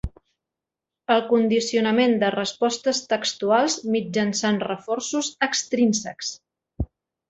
El condicionament de respostes textuals mitjançant reforços "extrínsecs".